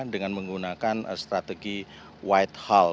dengan menggunakan strategi white hall